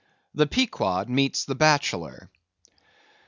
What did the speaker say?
The Pequod Meets The Bachelor.